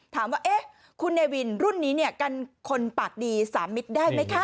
ถามว่าเอ๊ะคุณเนวินรุ่นนี้เนี้ยฯกันคนปักดีสามมิดได้ไหมคะ